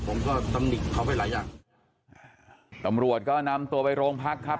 ผมก็ตำหนิเขาไปหลายอย่างตำรวจก็นำตัวไปโรงพักครับ